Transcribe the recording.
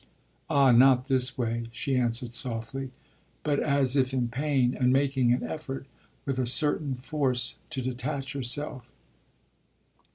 "Ah not this way," she answered softly, but as if in pain and making an effort, with a certain force, to detach herself.